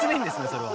それは。